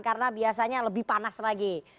karena biasanya lebih panas lagi